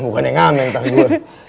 bukan yang ngamen ntar gue